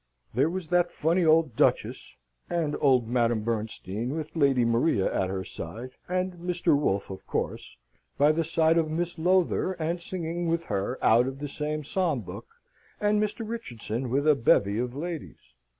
There was that funny old Duchess, and old Madame Bernstein, with Lady Maria at her side; and Mr. Wolfe, of course, by the side of Miss Lowther, and singing with her out of the same psalm book; and Mr. Richardson with a bevy of ladies.